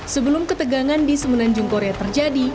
sebelum ketegangan di semenanjung korea terjadi